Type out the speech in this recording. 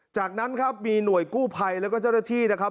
จากนั้นครับมีหน่วยกู้ภัยแล้วก็เจ้าหน้าที่นะครับ